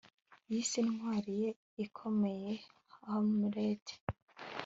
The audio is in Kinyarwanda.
yise intwari ye ikomeye hamlet